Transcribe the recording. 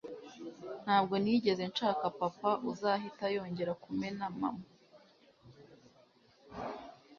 ntabwo nigeze nshaka papa uzahita yongera kumena mama